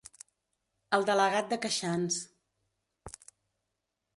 El delegat de Queixans.